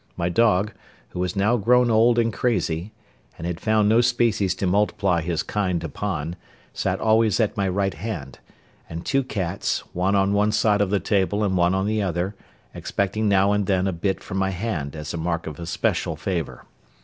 My dog, who was now grown old and crazy, and had found no species to multiply his kind upon, sat always at my right hand; and two cats, one on one side of the table and one on the other, expecting now and then a bit from my hand, as a mark of especial favour.